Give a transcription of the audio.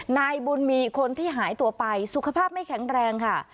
นายบุญมีคนที่หายตัวไปสุขภาพไม่แข็งแรงค่ะ